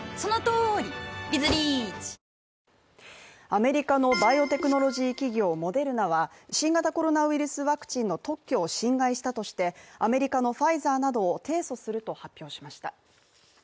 アメリカのバイオテクノロジー企業モデルナは新型コロナウイルスワクチンの特許を侵害したとしてアメリカのファイザーなどを提訴すると発表しました。